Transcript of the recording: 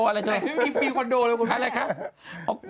มายุมีคอนโดเร็วไว้บนแหลก